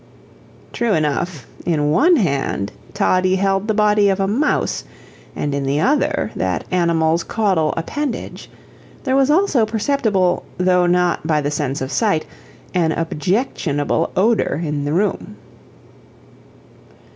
True enough; in one hand Toddie held the body of a mouse, and in the other that animal's caudal appendage; there was also perceptible, though not by the sense of sight, an objectionable odor in the room.